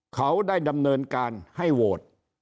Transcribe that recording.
เขาได้ดำเนินการให้โหวต